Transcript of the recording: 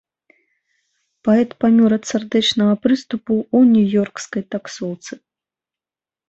Паэт памёр ад сардэчнага прыступу ў нью-ёркскай таксоўцы.